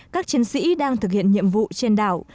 các chiến sĩ đang thực hiện nhiệm vụ trên đảo